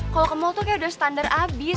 kalo ke mall tuh kayak udah standar abis